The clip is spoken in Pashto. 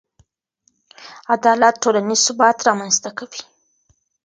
عدالت ټولنیز ثبات رامنځته کوي.